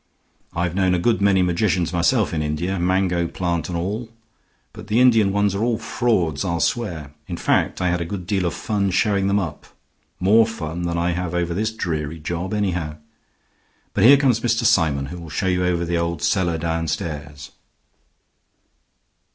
"I've known a good many magicians myself in India mango plant and all. But the Indian ones are all frauds, I'll swear. In fact, I had a good deal of fun showing them up. More fun than I have over this dreary job, anyhow. But here comes Mr. Symon, who will show you over the old cellar downstairs."